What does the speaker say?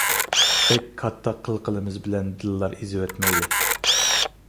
بەك كاتتا قىلقىلىمىز بىلەن دىللار ئىزىۋەتمەيلى ،